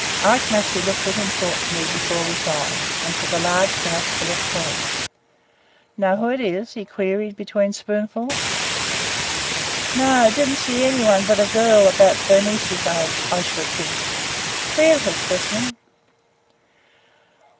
Ike Massey looked at him thoughtfully before replying and took a large mouthful of cream. "Know who it is?" he queried between spoonfuls. "No, did n't see any one but a girl, about Bernice's age, I should think. Queer little specimen!"